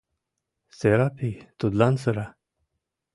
Серапи тудлан сыра...